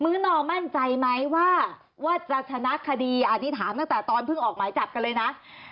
ื้อนอมั่นใจไหมว่าจะชนะคดีอันนี้ถามตั้งแต่ตอนเพิ่งออกหมายจับกันเลยนะ